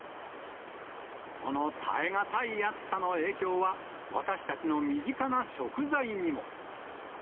この耐え難い暑さの影響は、私たちの身近な食材にも。